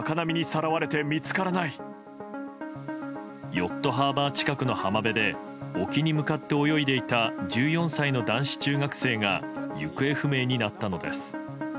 ヨットハーバー近くの浜辺で沖に向かって泳いでいた１４歳の男子中学生が行方不明になったのです。